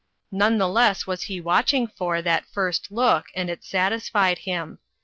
None the less was he watching for that first look, and it satisfied him.